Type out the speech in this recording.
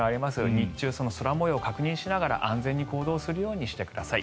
日中、空模様を確認しながら安全に行動するようにしてください。